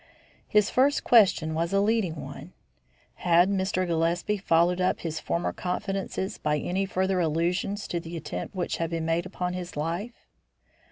His first question was a leading one. Had Mr. Gillespie followed up his former confidences by any further allusions to the attempt which had been made upon his life?